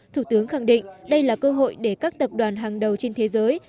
thủ tướng khẳng định đây là cơ hội để các tập đoàn hàng đầu trên thế giới